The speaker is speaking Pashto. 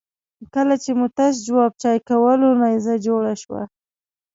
کله چې مو تش جواب چای کولو نيزه جوړه شوه.